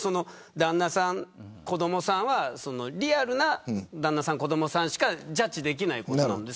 旦那さん、子どもさんはリアルな旦那さん子どもさんしかジャッジできないことなんで。